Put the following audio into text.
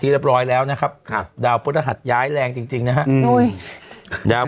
ที่เรียบร้อยแล้วนะครับดาวพระทหัสย้ายแรงจริงนะครับดาว